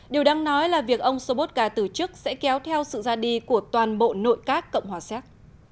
điều đăng nói là việc ông sobotka tử chức sẽ kéo theo sự ra đi của toàn bộ nội các cộng hòa séc